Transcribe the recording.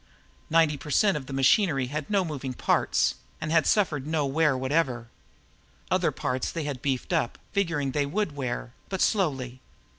Ninety per cent of the machinery had no moving parts and had suffered no wear whatever. Other parts they had beefed up, figuring they would wear, but slowly.